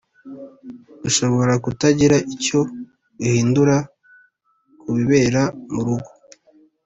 Ushobora kutagira icyo uhindura ku bibera mu rugo